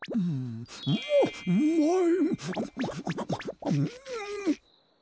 うわうまい。